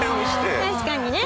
確かにね。